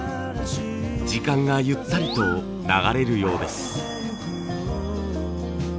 時間がゆったりと流れるようです。